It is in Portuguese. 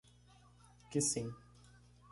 Que sim.